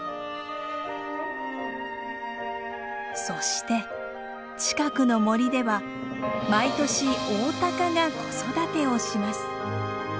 そして近くの森では毎年オオタカが子育てをします。